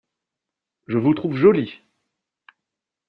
Je vous trouve joli !